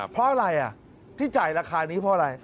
เพราะอะไรที่จ่ายราคานี้เพราะอะไร